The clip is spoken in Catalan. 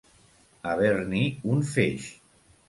Haver-n'hi un feix.